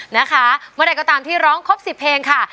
นะคะเมื่อใดก็ตามที่ร้องครบ๑๐เพลงค่ะ